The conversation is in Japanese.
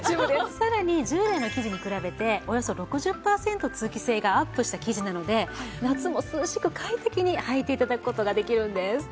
さらに従来の生地に比べておよそ６０パーセント通気性がアップした生地なので夏も涼しく快適にはいて頂く事ができるんです。